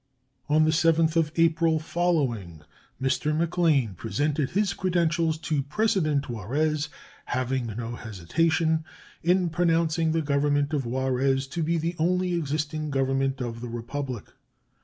On the 7th of April following Mr. McLane presented his credentials to President Juarez, having no hesitation "in pronouncing the Government of Juarez to be the only existing government of the Republic."